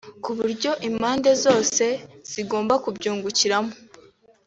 ku buryo impande zose zigomba kubyungukiramo